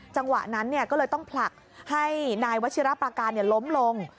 จังหวะนั้นก็เลยต้องผลักให้นายวัชิรประการล้มลง